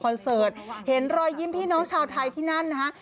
ไปทัวร์คอนเสิร์ตเห็นรอยยิ้มพี่น้องชาวไทยที่นั่นนะคะ